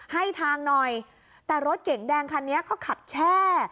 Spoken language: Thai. ให้ทางหน่อยแต่รถเก๋งแดงคันนี้เขาขับแช่